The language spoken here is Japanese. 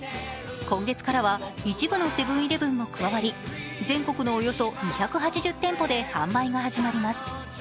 今月からは一部のセブン−イレブンも加わり、全国のおよそ２８０店舗で販売が始まります。